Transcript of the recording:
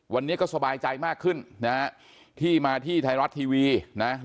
วันนี้ก็สบายใจมากขึ้นนะฮะที่มาที่ไทยรัฐทีวีนะ